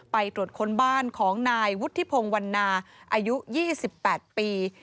ไปตรวจค้นบ้านของนายวุฒิพงศ์วันนาอายุ๒๘ปี